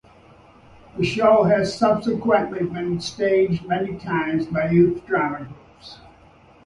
The show has subsequently been staged many times by youth drama groups.